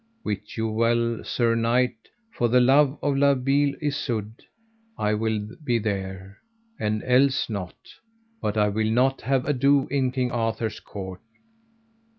Wit you well, sir knight, for the love of La Beale Isoud I will be there, and else not, but I will not have ado in King Arthur's court.